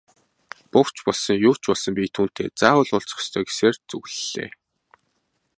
Буг ч болсон, юу ч болсон би түүнтэй заавал уулзах ёстой гэсээр зүглэлээ.